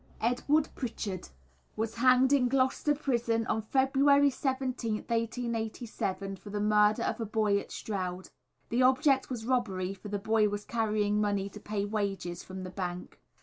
Edward Pritchard was hanged in Gloucester Prison on February 17th, 1887, for the murder of a boy at Stroud. The object was robbery, for the boy was carrying money to pay wages, from the bank.